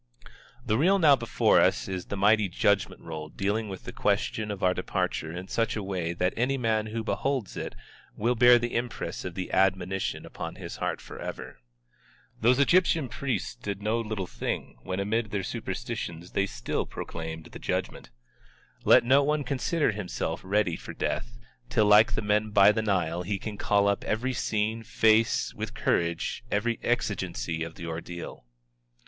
The reel now before us is the mighty judgment roll dealing with the question of our departure in such a way that any man who beholds it will bear the impress of the admonition upon his heart forever. Those Egyptian priests did no little thing, when amid their superstitions they still proclaimed the Judgment. Let no one consider himself ready for death, till like the men by the Nile he can call up every scene, face with courage every exigency of the ordeal.